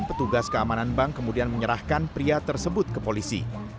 petugas keamanan bank kemudian menyerahkan pria tersebut ke polisi